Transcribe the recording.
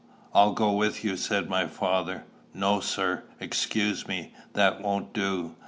"I'll go with you," said my father. "No, sir; excuse me; that won't do.